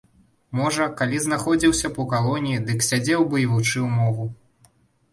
Можа, калі знаходзіўся б у калоніі, дык сядзеў бы і вучыў мову.